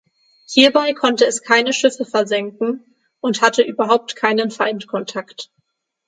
Hierbei konnte es keine Schiffe versenken und hatte überhaupt keinen Feindkontakt.